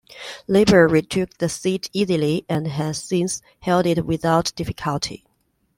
Labor retook the seat easily and has since held it without difficulty.